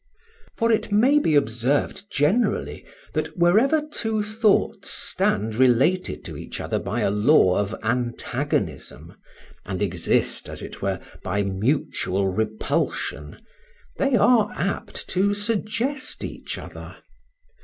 For it may be observed generally, that wherever two thoughts stand related to each other by a law of antagonism, and exist, as it were, by mutual repulsion, they are apt to suggest each other.